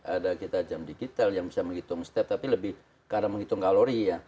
ada kita jam digital yang bisa menghitung step tapi lebih karena menghitung kalori ya